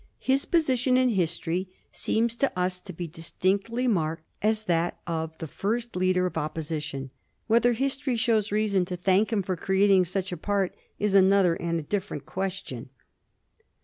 His position in history seems to us to be distinctly marked as that of the first Leader of Opposition ; whether history shows reason to thank him for creating such a partis another and a different question.